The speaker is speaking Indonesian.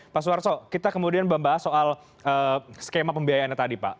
pak suarso kita kemudian membahas soal skema pembiayaannya tadi pak